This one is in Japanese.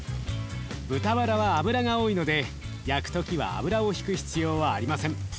豚ばらは脂が多いので焼く時は油をひく必要はありません。